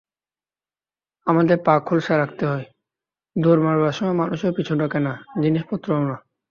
আমাদের পা খোলসা রাখতে হয়–দৌড় মারবার সময় মানুষও পিছু ডাকে না, জিনিসপত্রও না।